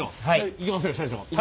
いきますよ社長！